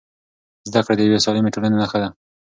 زده کړه د یوې سالمې ټولنې نښه ده.